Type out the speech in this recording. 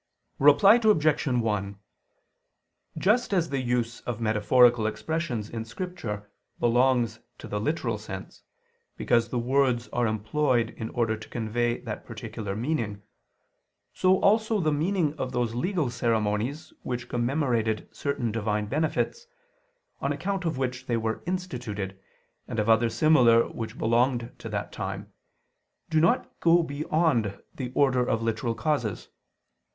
Reply Obj. 1: Just as the use of metaphorical expressions in Scripture belongs to the literal sense, because the words are employed in order to convey that particular meaning; so also the meaning of those legal ceremonies which commemorated certain Divine benefits, on account of which they were instituted, and of others similar which belonged to that time, does not go beyond the order of literal causes.